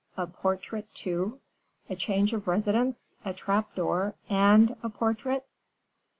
A portrait, too! A change of residence, a trap door, and a portrait!